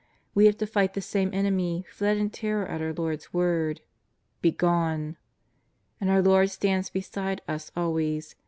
We have to fight the same enemy who fled in terror at our Lord's word " Begone !" And our Lord stands beside us always.